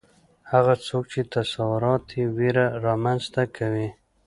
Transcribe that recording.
هغه څوک چې تصورات یې ویره رامنځته کوي